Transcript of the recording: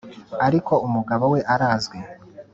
Ariko umugabo we arazwi